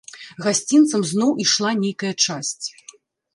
Гасцінцам зноў ішла нейкая часць.